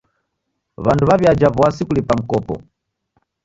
W'andu w'aw'iaja w'asi kulipa mikopo.